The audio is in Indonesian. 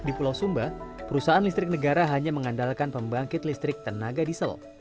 di pulau sumba perusahaan listrik negara hanya mengandalkan pembangkit listrik tenaga diesel